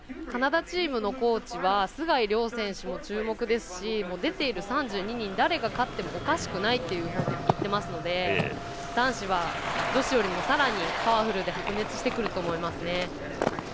カナダチームのコーチは須貝龍選手も注目ですし、出ている３２人誰が勝ってもおかしくないということを言っていますので男子は女子よりもさらにパワフルで白熱してくると思います。